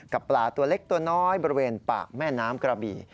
กับปลาตัวเล็กตัวน้อยบริเวณปากแม่น้ำกระบี่